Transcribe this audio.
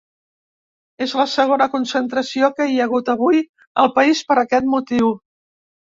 És la segona concentració que hi ha hagut avui al país per aquest motiu.